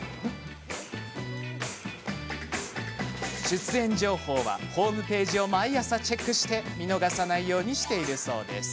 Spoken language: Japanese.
出演情報はホームページを毎朝チェックして見逃さないようにしているそうです。